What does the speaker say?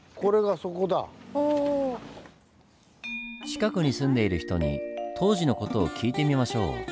近くに住んでいる人に当時の事を聞いてみましょう。